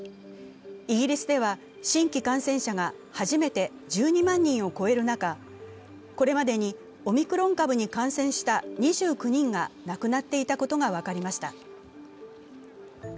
イギリスでは新規感染者が初めて１２万人を超える中、これまでにオミクロン株に感染した２９人が亡くなっていたことが分かりました。